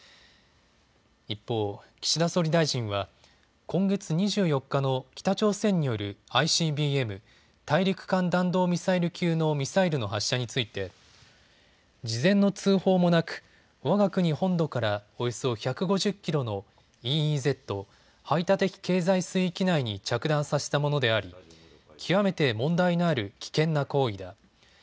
一方、岸田総理大臣は今月２４日の北朝鮮によるＩＣＢＭ・大陸間弾道ミサイル級のミサイルの発射について事前の通報もなくわが国本土からおよそ１５０キロのＥＥＺ・排他的経済水域内に着弾させたものであり極めて問題のある危険な行為だ。